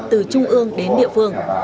từ trung ương đến địa phương